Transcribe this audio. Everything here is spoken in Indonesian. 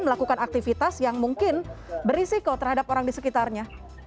melakukan aktivitas yang mungkin berisiko terhadap orang di sekitarnya